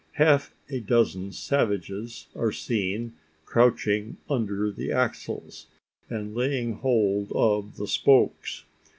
Half a dozen savages are seen crouching under the axles, and laying hold of the spokes.